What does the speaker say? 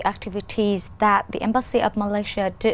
các vấn đề mà đội trưởng của malaysia đã làm